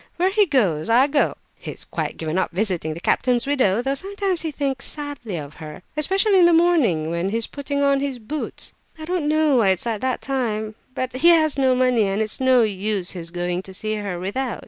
Where he goes, I go. He's quite given up visiting the captain's widow, though sometimes he thinks sadly of her, especially in the morning, when he's putting on his boots. I don't know why it's at that time. But he has no money, and it's no use his going to see her without.